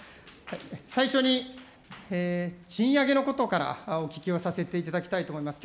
最初に、賃上げのことからお聞きをさせていただきたいと思います。